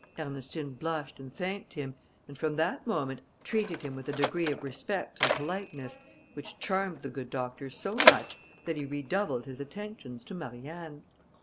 Ernestine blushed and thanked him, and from that moment treated him with a degree of respect and politeness, which charmed the good doctor so much, that he redoubled his attentions to Marianne.